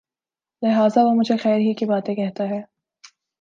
لہٰذا وہ مجھے خیر ہی کی باتیں کہتا ہے